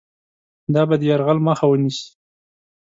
دا به د یرغل مخه ونیسي.